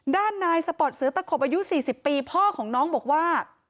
ด้านนายสปอร์ตเสือตะขบอายุ๔๐ปีพ่อของน้องบอกว่า